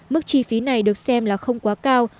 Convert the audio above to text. mức chi phí này được xem là không quá cao